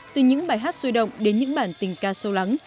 từ những bài hát sôi động đến những bản tình ca sâu lắng